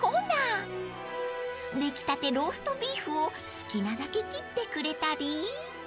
［出来たてローストビーフを好きなだけ切ってくれたり］